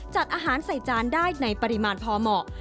จัดอาหารใส่จานได้ในปริมาณพอเหมาะ